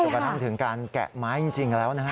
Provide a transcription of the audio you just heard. ก็ทำถึงการแกะไม้จริงแล้วนะครับ